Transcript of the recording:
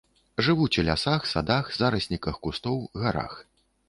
Жывуць у лясах, садах, зарасніках кустоў, гарах.